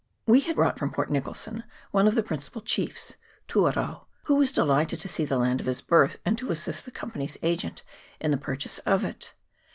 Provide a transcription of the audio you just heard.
We had brought from Port Nicholson one of the >rincipal chiefs, Tuarau, who was delighted to see ,he land of his birth and to assist the Company's agent in the purchase of it.